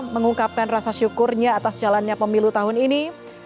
mengungkapkan rasa syukurnya atas jalannya pemilu tahun ini